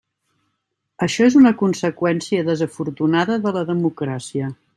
Això és una conseqüència desafortunada de la democràcia.